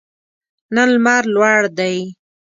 نن لمر لوړ دی